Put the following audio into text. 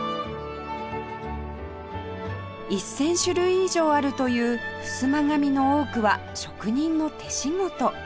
１０００種類以上あるというふすま紙の多くは職人の手仕事